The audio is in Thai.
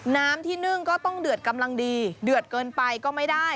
น้ำที่นึ่งก็ต้องเดือดกำลังดีเดือดเกินไปก็ไม่ได้